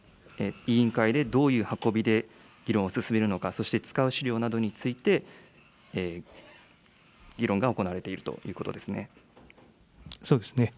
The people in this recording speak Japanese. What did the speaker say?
委員会でどういう運びで議論を進めるのか、そして使う資料などについて、議論が行われているということですそうですね。